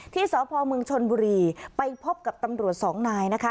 ที่สพเมืองชนบุรีไปพบกับตำรวจสองนายนะคะ